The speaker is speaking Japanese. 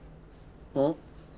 うん？